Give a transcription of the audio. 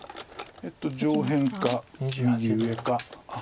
上辺か右上か。